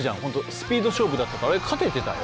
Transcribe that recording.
スピード勝負だったからあれ勝ててたよ。